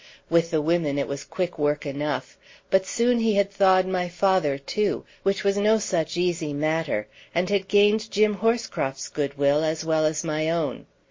With the women it was quick work enough; but soon he had thawed my father too, which was no such easy matter, and had gained Jim Horscroft's goodwill as well as my own.